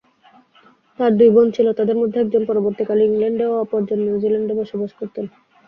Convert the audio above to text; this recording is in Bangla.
তার দুই বোন ছিল, তাদের মধ্যে একজন পরবর্তীকালে ইংল্যান্ডে ও অপরজন নিউজিল্যান্ডে বসবাস করতেন।